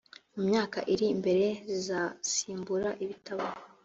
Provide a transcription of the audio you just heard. mu myaka iri imbere zizasimbura ibitabo